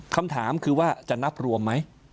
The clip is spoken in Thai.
คำถามคือว่าจะนับรวมไหม